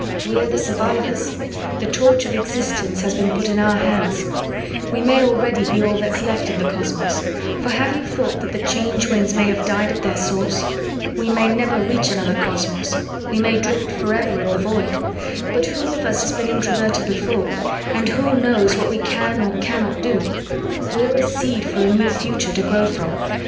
We're the survivors. The torch of existence has been put in our hands. "We may already be all that's left in the cosmos, for have you thought that the Change Winds may have died at their source? We may never reach another cosmos, we may drift forever in the Void, but who of us has been Introverted before and who knows what we can or cannot do? We're a seed for a new future to grow from.